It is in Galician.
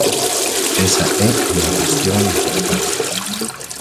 Esa é unha cuestión importante.